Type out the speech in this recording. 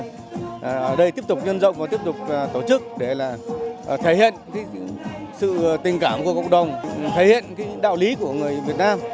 ở đây tiếp tục nhân rộng và tiếp tục tổ chức để thể hiện sự tình cảm của cộng đồng thể hiện cái đạo lý của người việt nam